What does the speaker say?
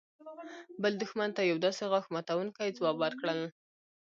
بل دښمن ته يو داسې غاښ ماتونکى ځواب ورکړل.